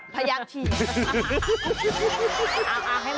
พยายามออกทางอื่น